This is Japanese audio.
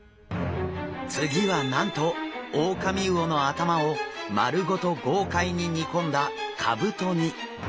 次はなんとオオカミウオの頭を丸ごと豪快に煮込んだかぶと煮。